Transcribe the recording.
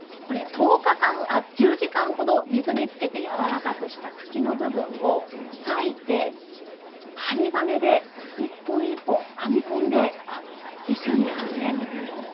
１０時間程、水につけてやわらかくした茎の部分を裂いて、一本一本針金で編み込んでいくんです。